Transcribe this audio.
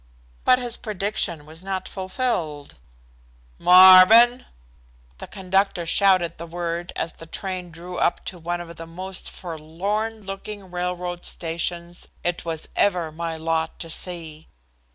But his prediction was not fulfilled. "Marvin!" The conductor shouted the word as the train drew up to one of the most forlorn looking railroad stations it was ever my lot to see.